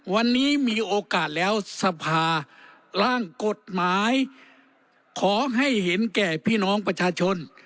วันนี้มีโอกาสแล้วสภาร่างกฎหมายขอให้เห็นแก่พี่น้องประชาชน